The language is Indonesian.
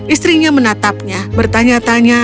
istrinya menatapnya bertanya tanya